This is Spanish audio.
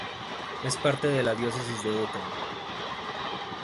Es parte de la Diócesis de Oakland.